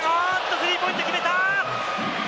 スリーポイント決めた！